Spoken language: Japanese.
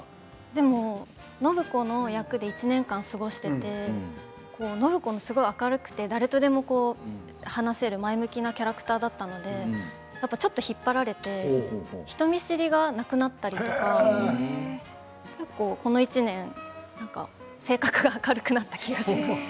でも暢子の役で１年間、過ごしていて暢子は明るくて誰とでも話せる前向きなキャラクターだったのでやっぱり、ちょっと引っ張られて人見知りがなくなったりとか結構この一年性格が明るくなった気がします。